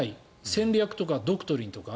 戦略とかドクトリンとか。